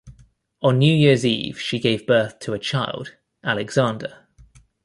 On New Year's Eve she gave birth to a child, Alexander.